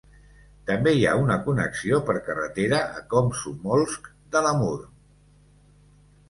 També hi ha una connexió per carretera a Komsomolsk de l'Amur.